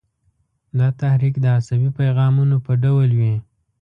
دا تحریک د عصبي پیغامونو په ډول وي.